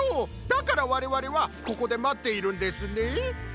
だからわれわれはここでまっているんですね。